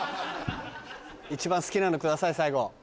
一番好きなのください最後。